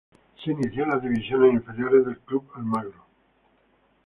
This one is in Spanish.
Se inició en las divisiones inferiores del Club Almagro.